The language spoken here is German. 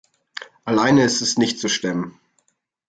Alleine ist es nicht zu stemmen.